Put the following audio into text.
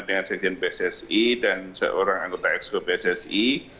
bersama dengan seksi bsi dan seorang anggota exco bsi